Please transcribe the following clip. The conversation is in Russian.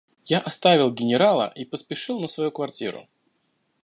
Я оставил генерала и поспешил на свою квартиру.